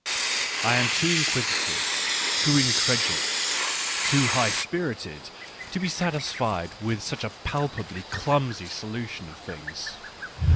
I am too inquisitive, too incredulous, too high spirited, to be satisfied with such a palpably clumsy solution of things.